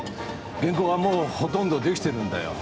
原稿はもうほとんど出来てるんだよ。